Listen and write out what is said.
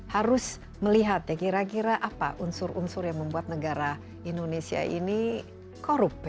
harus melihat ya kira kira apa unsur unsur yang membuat negara indonesia ini korup ya